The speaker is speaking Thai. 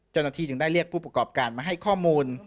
เจ้าหน้าที่จึงได้เรียกผู้ประกอบการมาให้ข้อมูล